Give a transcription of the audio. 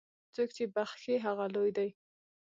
څوک چې بخښي، هغه لوی دی.